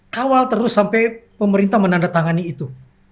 kawal terus sampai pemerintah menandatangani itu